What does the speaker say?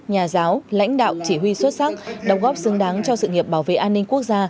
nhà giáo lãnh đạo chỉ huy xuất sắc đồng góp xứng đáng cho sự nghiệp bảo vệ an ninh quốc gia